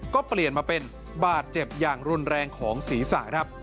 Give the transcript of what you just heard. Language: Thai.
ก็เปลี่ยนมาเป็นบาดเจ็บอย่างรุนแรงของศีรษะครับ